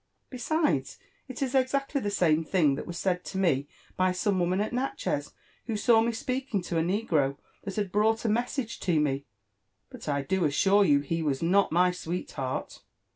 Besides, it is exactly the same thing that was said to me by some woman at Natchez, who saw me speaking to a negro that had brought a message to me ; but I do assure you he was not my sweetheart."